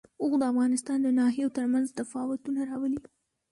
اوښ د افغانستان د ناحیو ترمنځ تفاوتونه راولي.